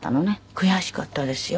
悔しかったですよ。